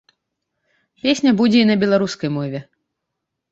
Песня будзе і на беларускай мове.